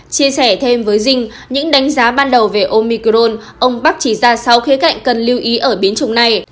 chia sẻ thêm với dinh những đánh giá ban đầu về omicron ông bắc chỉ ra sáu khía cạnh cần lưu ý ở biến chủng này